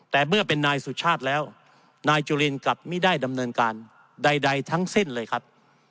แต่เมื่อเป็นนายสุชาติแล้วนายจุลินกลับไม่ได้ดำเนินการใดทั้งสิ้นเลยครับ